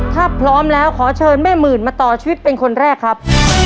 ถ้าพร้อมแล้วขอเชิญแม่หมื่นมาต่อชีวิตเป็นคนแรกครับ